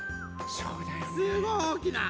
すごいおおきな。